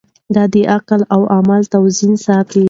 ده د عقل او عمل توازن ساته.